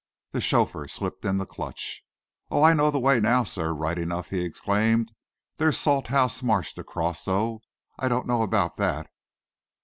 The chauffeur slipped in the clutch. "Oh, I know the way now, sir, right enough!" he exclaimed. "There's Salthouse marsh to cross, though. I don't know about that."